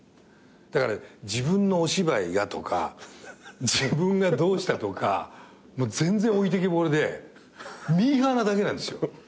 だから自分のお芝居がとか自分がどうしたとかもう全然置いてけぼりでミーハーなだけなんですよ。